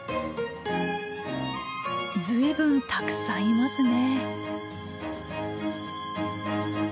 随分たくさんいますね。